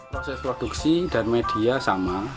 proses produksi dan media sama